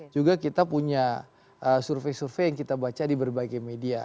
juga kita punya survei survei yang kita baca di berbagai media